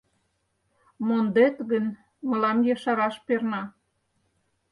Мондет гын, мылам ешараш перна.